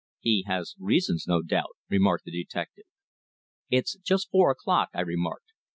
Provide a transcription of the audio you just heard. "He has reasons, no doubt," remarked the detective. "It is just four o'clock," I remarked.